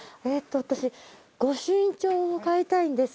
私御朱印帳を買いたいんですけど。